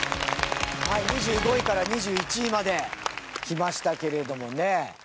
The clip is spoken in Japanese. ２５位から２１位まできましたけれどもね。